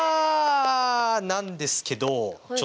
なんですけどちょっと。